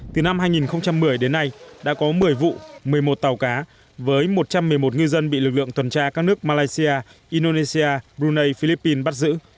từ năm hai nghìn một mươi đến nay đã có một mươi vụ một mươi một tàu cá với một trăm một mươi một ngư dân bị lực lượng tuần tra các nước malaysia indonesia brunei philippines bắt giữ